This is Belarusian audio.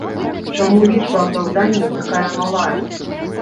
Чаму лічба апраўданняў такая малая?